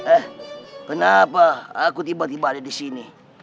eh kenapa aku tiba tiba ada disini